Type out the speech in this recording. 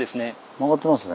曲がってますね。